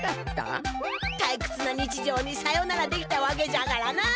たいくつな日じょうにさよならできたわけじゃからなあ。